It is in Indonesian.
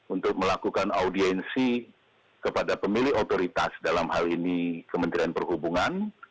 untuk melakukan audiensi kepada pemilih otoritas dalam hal ini kementerian perhubungan